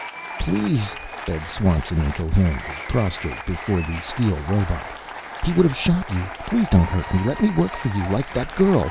"Please!" begged Swanson incoherently, prostrate before the steel robot. "He would have shot you please don't hurt me! Let me work for you, like that girl.